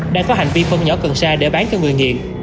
đang có hành vi phân nhỏ cần sa để bán cho người nghiện